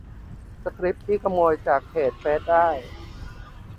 - สคริปต์ที่ขโมยเพจเฟซได้